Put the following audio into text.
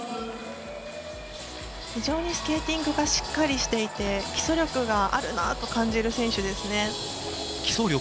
非常にスケーティングがしっかりしていて基礎力があるなと感じる選手です。